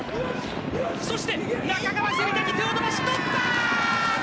そして、中川せりなに手を伸ばし取ったー！